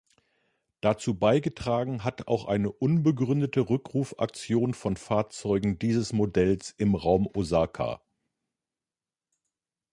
Dazu beigetragen hat auch eine unbegründete Rückrufaktion von Fahrzeugen dieses Modells im Raum Osaka.